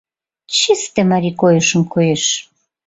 — Чисте марий койышым коеш.